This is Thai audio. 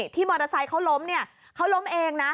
มอเตอร์ไซค์เขาล้มเนี่ยเขาล้มเองนะ